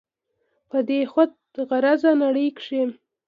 په دې خود غرضه نړۍ کښې